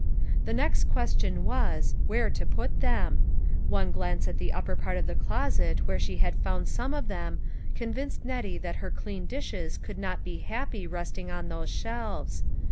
The next question was, Where to put them ? One glance at the upper part of the closet where she had found some of them, convinced Nettie that her clean dishes could not be happy resting on those shelves.